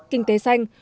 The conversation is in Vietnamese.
kinh tế xanh